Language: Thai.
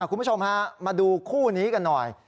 คุณผู้ชมฮะมาดูคู่นี้กันหน่อย